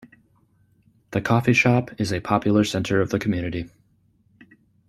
The Coffee Shop is a popular centre of the community.